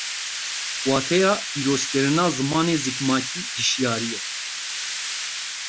Wateya pîrozkirina zimanê zikmakî hîşyarî ye